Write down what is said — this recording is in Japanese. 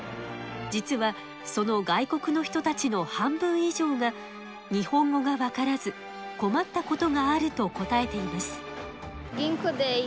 じつはその外国の人たちの半分いじょうが日本語がわからず困ったことがあると答えています